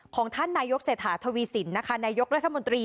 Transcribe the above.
ของท่านนายกเศรษฐาทวีสินนะคะนายกรัฐมนตรี